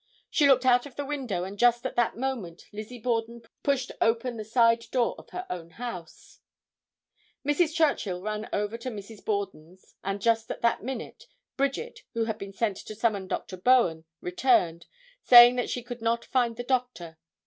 She looked out of the window and just at that moment Lizzie Borden pushed open the side door of her own house. [Illustration: CAPTAIN PATRICK H. DOHERTY.] Mrs. Churchill ran over to Mrs. Borden's, and just at that minute Bridget, who had been sent to summon Dr. Bowen, returned, saying that she could not find the doctor.